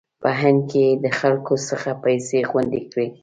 په هند کې یې له خلکو څخه پیسې غونډې کړې.